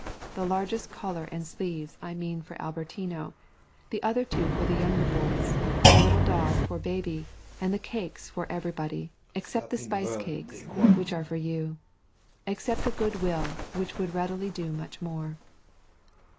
The largest collar and sleeves I mean for Albertino, the other two for the two younger boys, the little dog for baby, and the cakes for everybody, except the spice cakes, which are for you. Accept the good will which would readily do much more."